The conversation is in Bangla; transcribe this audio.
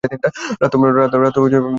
রাত তো বাজে প্রায় সাড়ে তিনটা।